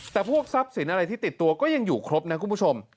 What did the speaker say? แต่พวกทรัพย์สินอะไรที่ติดตัวก็ยังอยู่ครบนะคุณผู้ชม